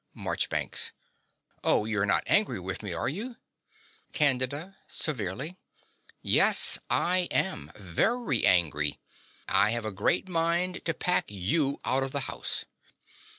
MARCHBANKS. Oh, you're not angry with me, are you? CANDIDA (severely). Yes, I am very angry. I have a great mind to pack you out of the house.